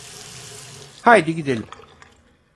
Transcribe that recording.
Haydi gidelim!